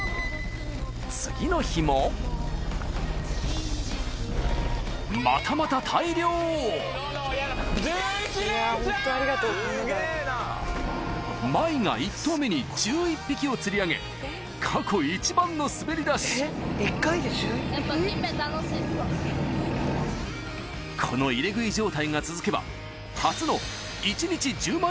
次の日もまたまた大漁舞が１投目に１１匹を釣り上げ過去一番の滑り出しこの入れ食い状態が続けばあら